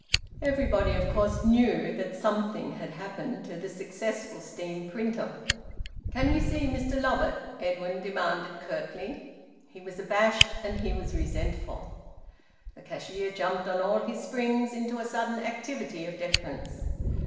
Everybody of course knew that `something had happened' to the successful steam printer. "Can we see Mr Lovatt?" Edwin demanded curtly. He was abashed and he was resentful. The cashier jumped on all his springs into a sudden activity of deference.